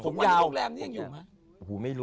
ฮผมอยู่จากโรงแรมเนี้ยอยู่ไหม